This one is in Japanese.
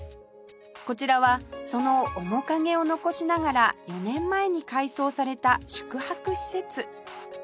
こちらはその面影を残しながら４年前に改装された宿泊施設